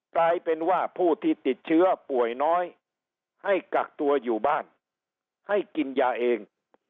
กลายเป็นว่าผู้ที่ติดเชื้อป่วยน้อยให้กักตัวอยู่บ้านให้กินยาเอง